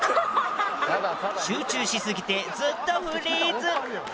集中しすぎてずっとフリーズ。